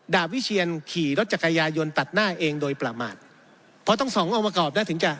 ดาบวิเชียนขี่รถจักรายย้อนตัดหน้าเองโดยประมาณ